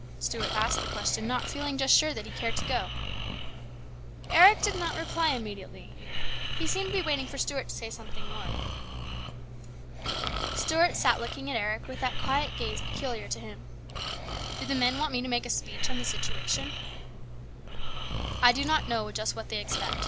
Stuart asked the question, not feeling just sure that he cared to go. Eric did not reply immediately. He seemed to be waiting for Stuart to say something more. Stuart sat looking at Eric with that quiet gaze peculiar to him. "Do the men want me to make a speech on the situation ?"" I do not know just what they expect.